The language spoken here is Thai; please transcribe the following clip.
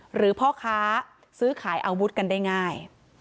หรือพ่อค้าซื้อขายอาวุธกันได้ง่าย